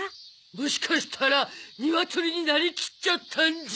もしかしたらニワトリになりきっちゃったんじゃ。